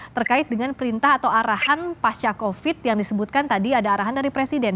terkait dengan perintah atau arahan pasca covid yang disebutkan tadi ada arahan dari presiden